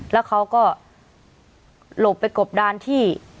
แล้วเขาก็หลบไปกบดานที่